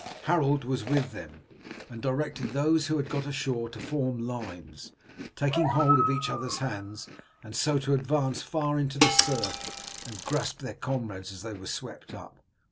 Harold was with them, and directed those who had got ashore to form lines, taking hold of each other's hands, and so to advance far into the surf and grasp their comrades as they were swept up.